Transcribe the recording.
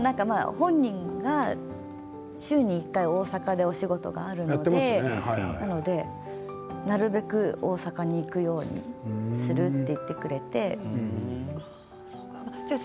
本人が週に１回大阪でお仕事があるのでなるべく大阪に行くようにすると言ってくれていて。